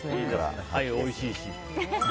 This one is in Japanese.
アユおいしいし。